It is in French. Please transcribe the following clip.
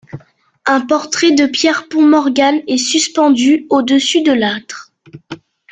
Un portrait de Pierpont Morgan est suspendu au-dessus de l'âtre.